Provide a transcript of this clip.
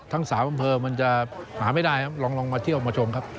ทั้ง๓อำเภอมันจะหาไม่ได้ครับลองมาเที่ยวมาชมครับ